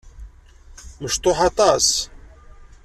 Mecṭuḥ aṭas.